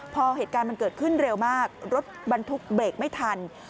พอเหตุการณ์มันเกิดขึ้นเร็วมากรถบรรทุกเบรกไม่ทัน